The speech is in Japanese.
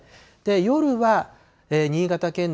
夜は新潟県内